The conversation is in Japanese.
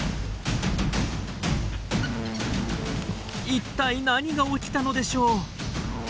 一体何が起きたのでしょう？